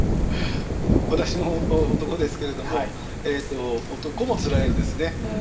私も男ですけれども男もつらいんですね。